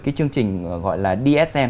cái chương trình gọi là dsm